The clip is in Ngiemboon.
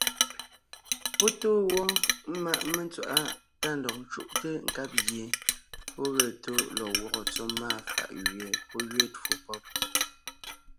Pɔ́ tóo wó ḿmaʼ mentswaʼá tá ndɔg ńcúʼte nkab gie pɔ́ ge tó lɔg gwɔ́gɔ tsɔ́ máa fàʼ gẅie pɔ́ gẅiin twó pɔ́b.